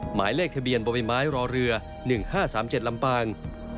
หมายเลขทะเบียนบ่อใบไม้รอเรือ๑๕๓๗ลำปาง